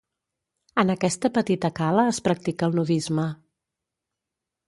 En aquesta petita cala es practica el nudisme.